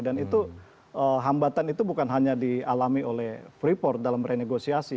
dan itu hambatan itu bukan hanya dialami oleh freeport dalam renegosiasi